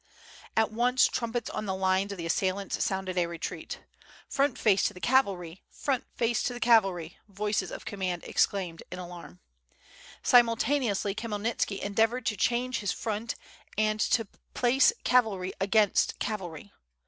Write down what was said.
At once trumpets in the lines of the assailants sounded a retreat. "Front face to the cavalry! front face to the cav alry!'* voices of command exclaimed in alarm. Simultane ously Khmyelnitski endeavored to change his front and to place cavalry against cavalry.